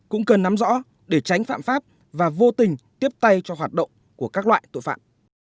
cũng cần nắm rõ để tránh phạm pháp và vô tình tiếp tay cho hoạt động của các loại tội phạm